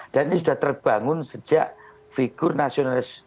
ini sudah terbangun sejak figur nasionalis